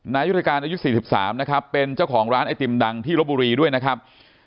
นายุทธการอายุ๔๓นะครับเป็นเจ้าของร้านไอติมดังที่ลบบุรีด้วยนะครับ